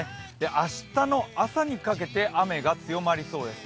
明日の朝にかけて雨が強まりそうです。